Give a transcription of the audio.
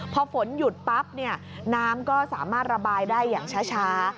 พอฝนหยุดปั๊บน้ำก็สามารถระบายได้อย่างช้า